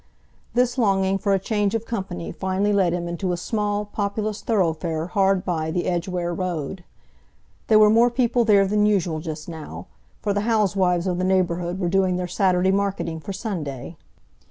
This longing for a change of company finally led him into a small, populous thoroughfare hard by the Edgware Road. There were more people there than usual just now, for the housewives of the neighbourhood were doing their Saturday marketing for Sunday.